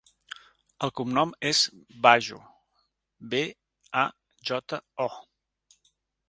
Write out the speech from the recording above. El cognom és Bajo: be, a, jota, o.